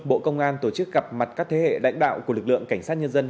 bộ công an tổ chức gặp mặt các thế hệ lãnh đạo của lực lượng cảnh sát nhân dân